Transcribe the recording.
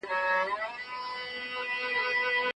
خیر محمد به خپله صافه د هر موټر ښیښې ته کتل.